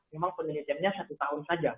memang penelitiannya satu tahun saja